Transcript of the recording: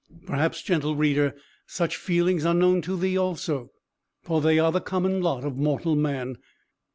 Perhaps, gentle reader, such feelings are known to thee also, for they are the common lot of mortal man.